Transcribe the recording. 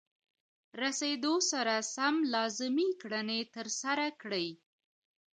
رسیدو سره سم لازمې کړنې ترسره کړئ.